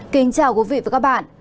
kính chào quý vị và các bạn